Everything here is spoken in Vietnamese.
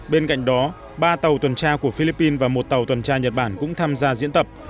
bên cạnh đó ba tàu tuần tra của philippines và một tàu tuần tra nhật bản cũng tham gia diễn tập